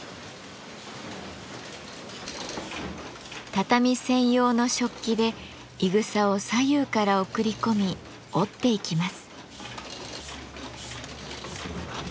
畳専用の織機でいぐさを左右から送り込み織っていきます。